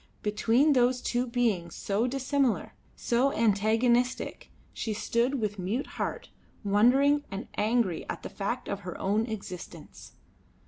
Between those two beings so dissimilar, so antagonistic, she stood with mute heart wondering and angry at the fact of her own existence.